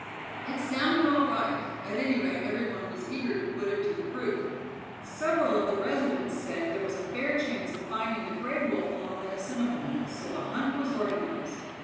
It sounded all right; at any rate every one was eager to put it to the proof. Several of the residents said there was a fair chance of finding a Gray wolf along the Assiniboine, so a hunt was organized.